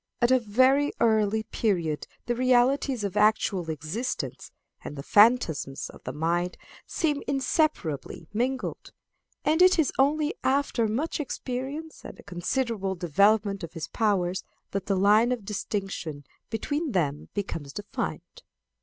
At a very early period the realities of actual existence and the phantasms of the mind seem inseparably mingled, and it is only after much experience and a considerable development of his powers, that the line of distinction between them becomes defined.